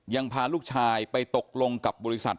พาลูกชายไปตกลงกับบริษัท